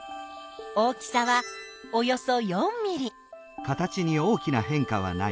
大きさはおよそ４ｍｍ。